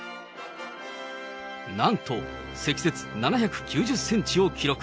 なんと、積雪７９０センチを記録。